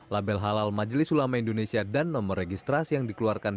label halal majelis ulama indonesia dan nomor registrasi yang dikeluarkan